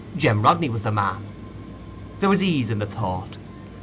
Jem Rodney was the man—there was ease in the thought.